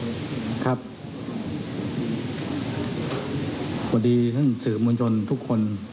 สวัสดีท่านสื่อมวลชนทุกคน